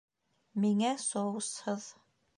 Миңә соусһыҙ